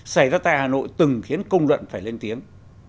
xảy ra tại hà nội từng khiến công luận phải lên tiếng